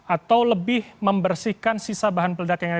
atau lebih membersihkan sisa bahan peledak yang ada